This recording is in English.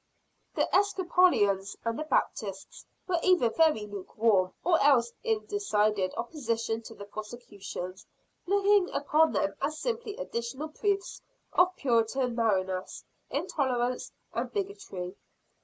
The Episcopalians and the Baptists were either very lukewarm, or else in decided opposition to the prosecutions looking upon them as simply additional proofs of Puritan narrowness, intolerance and bigotry.